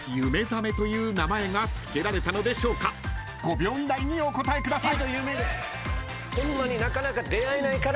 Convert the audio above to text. ［５秒以内にお答えください］